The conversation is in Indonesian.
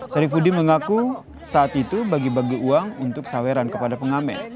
syarifudi mengaku saat itu bagi bagi uang untuk saweran kepada pengamen